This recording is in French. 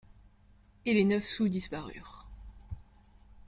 Et les neuf sous disparurent.